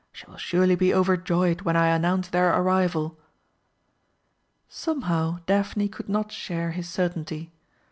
She will surely be overjoyed when I announce their arrival." Somehow Daphne could not share his certainty.